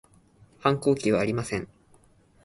反抗期はありません